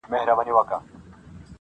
غوجله سمبول د وحشت ښکاري ډېر-